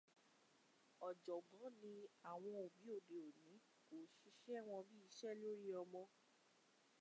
Ọ̀jọ̀gbọ́n ní àwọn òbí ayé òde òní kò ṣiṣẹ wọn bí iṣẹ́ lórí ọmọ